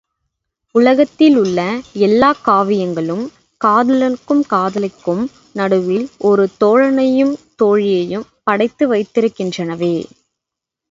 உலகத்திலுள்ள எல்லாக் காவியங்களும் காதலனுக்கும் காதலிக்கும் நடுவில் ஒரு தோழனையும் தோழியையும் படைத்து வைத்திருக்கின்றனவே!